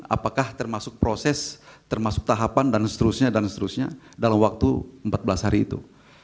apakah termasuk proses termasuk tahapan dan seterusnya dan seterusnya dalam waktu empat belas hari itu